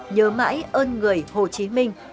nhớ mãi ơn người hồ chí minh